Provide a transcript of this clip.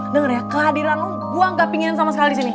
dengar ya kehadiran lu gua gak pingin sama sekali disini